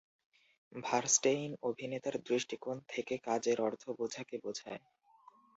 ভার্স্টেইন অভিনেতার দৃষ্টিকোণ থেকে কাজের অর্থ বোঝাকে বোঝায়।